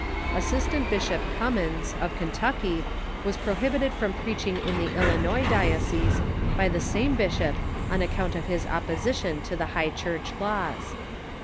Assistant Bishop Cummins, of Kentucky, was prohibited from preaching in the Illinois diocese by the same bishop on account of his opposition to the High Church laws.